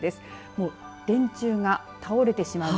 もう電柱が倒れてしまう。